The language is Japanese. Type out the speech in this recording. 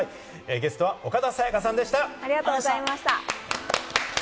ゲストは岡田紗佳さんでした。